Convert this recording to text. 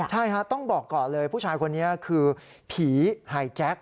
ใช่ฮะต้องบอกก่อนเลยผู้ชายคนนี้คือผีหายแจ็ค